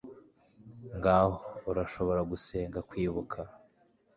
ngaho, urashobora gusenga kwibuka